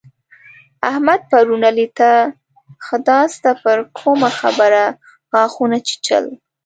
احمد پرون علي ته خداسته پر کومه خبره غاښونه چيچل.